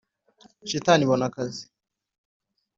shitani ibona akazi